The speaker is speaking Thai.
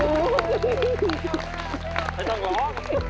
ไม่ต้องร้อง